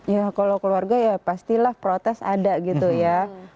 ya kalau keluarga ya pastilah protes ada gitu ya